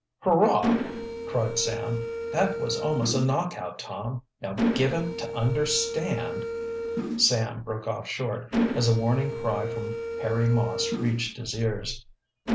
"Hurrah!" cried Sam. "That was almost a knockout, Tom. Now give him to understand " Sam broke off short, as a warning cry from Harry Moss reached his ears.